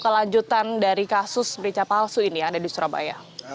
pelanjutan dari kasus merica palsu ini ada di surabaya